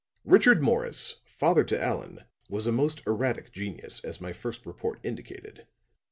"'Richard Morris, father to Allan, was a most erratic genius, as my first report indicated.